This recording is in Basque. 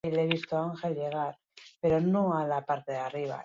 Hain neurri izugarria denez, zaila da horretaz ohartzea.